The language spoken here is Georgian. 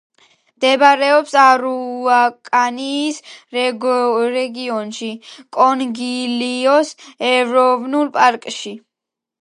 მდებარეობს არაუკანიის რეგიონში, კონგილიოს ეროვნულ პარკში.